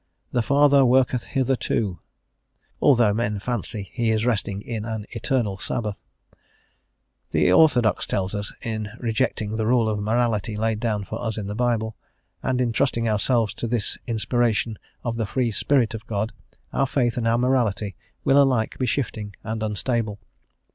"The Father worketh hitherto," although men fancy He is resting in an eternal Sabbath. The orthodox tells us that, in rejecting the rule of morality laid down for us in the Bible, and in trusting ourselves to this inspiration of the free Spirit of God, our faith and our morality will alike be shifting and unstable.